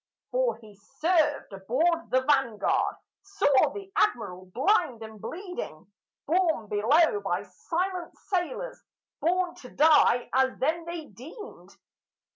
For he served aboard the Vanguard, saw the Admiral blind and bleeding Borne below by silent sailors, borne to die as then they deemed.